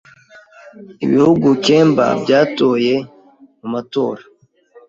Ibihugu kemba byatoye mu matora